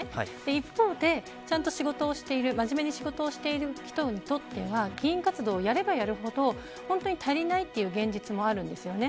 一方でちゃんと仕事をしている真面目に仕事をしてる人にとっては議員活動をやればやるほど足りないという現実もあるんですよね。